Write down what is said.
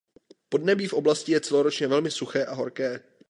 Podnebí v oblasti je celoročně velmi suché a horké.